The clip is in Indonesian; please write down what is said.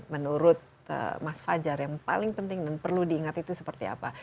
menurut mas fajar yang paling penting dan perlu diingat itu seperti apa